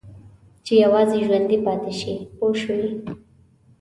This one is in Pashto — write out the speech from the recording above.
چې یوازې ژوندي پاتې شي پوه شوې!.